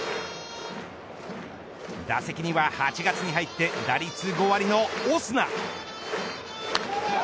打席には８月に入って打率５割のオスナ。